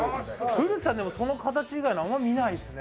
古田さんでもその形以外のあんまり見ないですね。